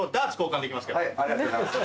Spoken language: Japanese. ありがとうございます。